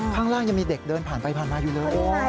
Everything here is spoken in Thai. ข้างล่างยังมีเด็กเดินผ่านไปผ่านมาอยู่เลย